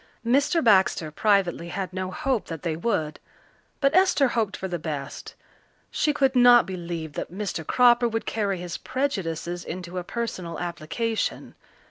Mr. Baxter privately had no hope that they would, but Esther hoped for the best. She could not believe that Mr. Cropper would carry his prejudices into a personal application.